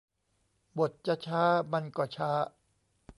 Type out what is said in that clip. บทจะช้ามันก็ช้า